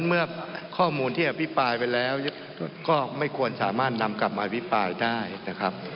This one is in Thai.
เมื่อข้อมูลที่อภิปรายไปแล้วก็ไม่ควรสามารถนำกลับมาอภิปรายได้นะครับ